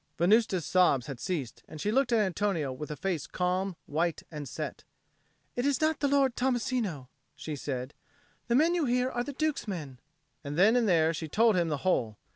Venusta's sobs had ceased, and she looked at Antonio with a face calm, white, and set. "It is not the Lord Tommasino," she said. "The men you hear are the Duke's men;" and then and there she told him the whole.